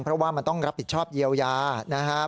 เพราะว่ามันต้องรับผิดชอบเยียวยานะครับ